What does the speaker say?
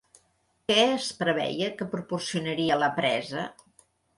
Què es preveia que proporcionaria la presa?